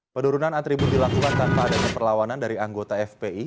penurunan atribut dilakukan tanpa adanya perlawanan dari anggota fpi